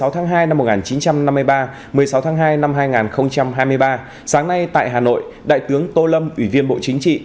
một mươi tháng hai năm một nghìn chín trăm năm mươi ba một mươi sáu tháng hai năm hai nghìn hai mươi ba sáng nay tại hà nội đại tướng tô lâm ủy viên bộ chính trị